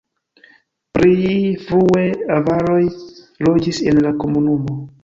Pli frue avaroj loĝis en la komunumo.